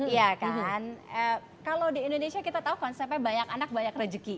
iya kan kalau di indonesia kita tahu konsepnya banyak anak banyak rejeki